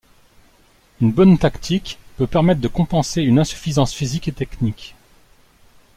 Une bonne tactique peut permettre de compenser une insuffisance physique et technique.